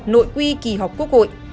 nội quy kỳ họp quốc hội